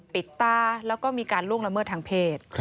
ปิดตาแล้วก็มีการล่วงละเมิดทางเพศ